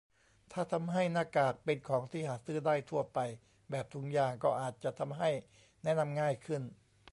ถ้าทำให้หน้ากากเป็นของที่หาซื้อได้ทั่วไปแบบถุงยาง ก็อาจจะทำให้แนะนำง่ายขึ้น ?